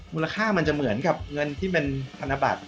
มูลค่ามันจะเหมือนกับเงินที่เป็นธนบัตร